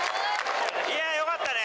いや、よかったね。